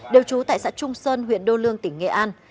đều trú tại xã trung sơn huyện đô lương tỉnh nghệ an